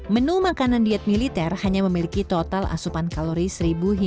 menu makanan diet militer hanya memiliki total asupan kalori seribu hingga seribu empat ratus kilokalori per hari